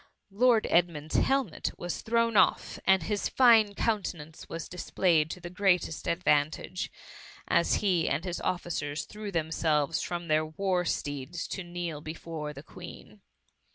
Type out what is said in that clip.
Lord Edmund^s helmet was thrown off, and his fine countenance was displayed to the greatest advantage, as he and his officers, threw themselves from their war steeds to kneel before the Queen.